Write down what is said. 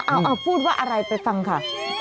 เอาพูดว่าอะไรไปฟังค่ะ